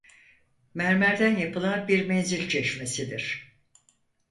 Mermerden yapılan bir menzil çeşmesidir.